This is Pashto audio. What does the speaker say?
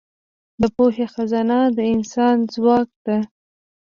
د پوهې خزانه د انسان ځواک ده.